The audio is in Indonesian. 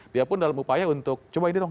dia pun dalam upaya untuk coba ini dong